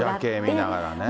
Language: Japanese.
夜景見ながらね。